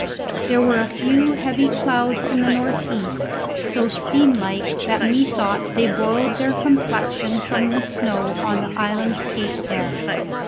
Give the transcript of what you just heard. There were a few heavy clouds in the north east, so steam like that methought they borrowed their complexion from the snow on the island's cape there.